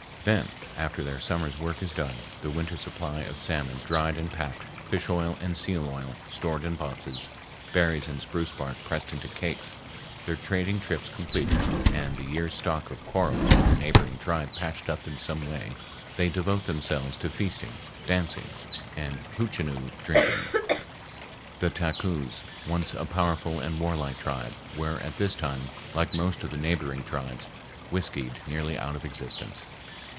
Then, after their summer's work is done, the winter supply of salmon dried and packed, fish oil and seal oil stored in boxes, berries and spruce bark pressed into cakes, their trading trips completed, and the year's stock of quarrels with the neighboring tribe patched up in some way, they devote themselves to feasting, dancing, and hootchenoo drinking. The Takus, once a powerful and warlike tribe, were at this time, like most of the neighboring tribes, whiskied nearly out of existence.